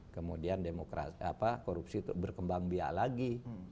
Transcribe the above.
kemudian demokrasi korupsi itu berkembang biak lagi